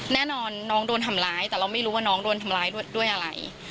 แน่นอนน้องโดนทำร้ายแต่เราไม่รู้ว่าน้องโดนทำร้ายด้วยอะไร